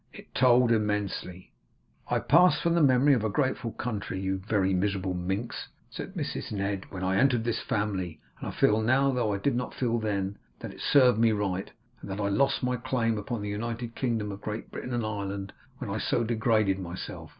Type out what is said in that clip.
It told immensely. 'I passed from the memory of a grateful country, you very miserable minx,' said Mrs Ned, 'when I entered this family; and I feel now, though I did not feel then, that it served me right, and that I lost my claim upon the United Kingdom of Great Britain and Ireland when I so degraded myself.